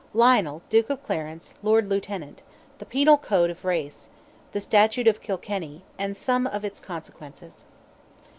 LIONEL, DUKE OF CLARENCE, LORD LIEUTENANT—THE PENAL CODE OF RACE—"THE STATUTE OF KILKENNY," AND SOME OF ITS CONSEQUENCES.